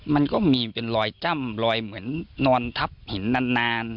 มันก็มีเป็นรอยจ้ำรอยเหมือนนอนทับหินนาน